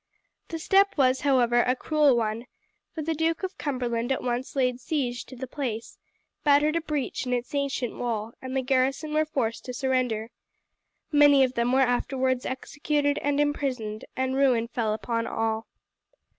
The step was, however, a cruel one, for the Duke of Cumberland at once laid siege to the place, battered a breach in its ancient wall, and the garrison were forced to surrender. Many of them were afterwards executed and imprisoned, and ruin fell upon all.